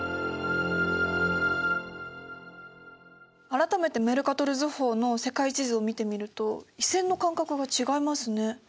改めてメルカトル図法の世界地図を見てみると緯線の間隔が違いますね。